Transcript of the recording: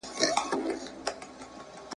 ستا دپاره چی می ځای نه وي په زړه کي ..